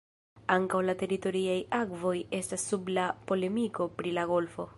Ankaŭ la teritoriaj akvoj estas sub la polemiko pri la golfo.